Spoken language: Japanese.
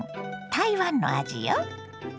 台湾の味よ。